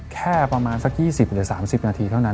แค่ประมาณสัก๒๐หรือ๓๐นาทีเท่านั้น